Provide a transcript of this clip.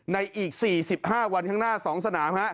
ในอีก๔๕วันข้างหน้า๒สนาม